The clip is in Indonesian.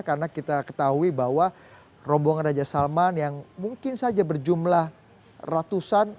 karena kita ketahui bahwa rombongan raja salman yang mungkin saja berjumlah ratusan